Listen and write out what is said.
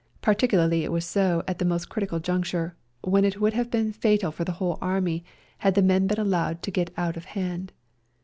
Particularly was it so at this most critical juncture, when it would have been fatal for the whole Army had the men been allowed to get out of hand.